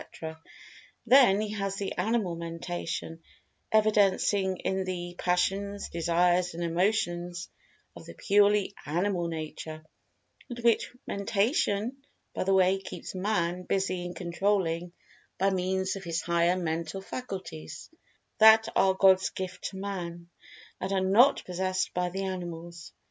—then he has the animal mentation evidencing in the passions, desires, and emotions of the purely animal nature, and which mentation, by the way, keeps Man busy in controlling by means of his higher mental faculties, that are God's gift to Man, and are not possessed by the animals.